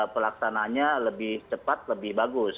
pelaksananya lebih cepat lebih bagus